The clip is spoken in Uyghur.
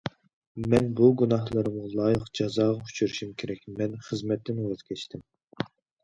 مەن بۇ گۇناھلىرىمغا لايىق جازاغا ئۇچرىشىم كېرەك مەن خىزمەتتىن ۋاز كەچتىم.